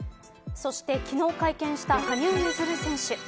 そして昨日会見した羽生結弦選手。